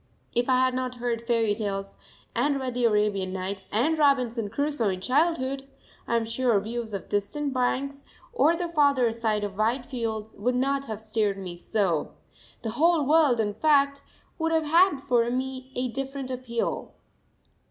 If I had not heard fairy tales and read the Arabian Nights and Robinson Crusoe in childhood, I am sure views of distant banks, or the farther side of wide fields, would not have stirred me so the whole world, in fact, would have had for me a different appeal.